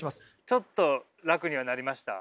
ちょっと楽にはなりました？